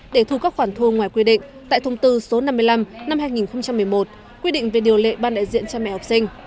để thu các khoản thu ngoài quy định tại thông tư số năm mươi năm năm hai nghìn một mươi một quy định về điều lệ ban đại diện cha mẹ học sinh